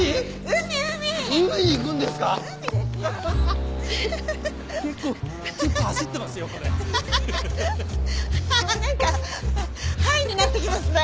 何かハイになってきますね。